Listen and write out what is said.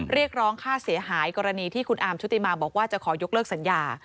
เรียกร้องค่าเสียหายกรณีที่คุณอาร์มชุติมาบอกว่าจะขอยกเลิกสัญญา